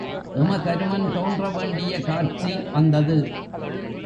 எமதருமன் தோன்ற வேண்டிய காட்சி வந்தது.